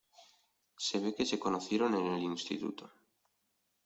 Se ve que se conocieron en el instituto.